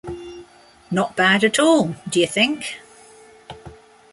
Not bad at all — d'you think?